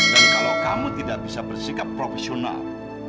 dan kalau kamu tidak bisa bersikap profesional